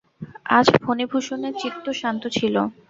আজ ফণিভূষণের চিত্ত শান্ত ছিল।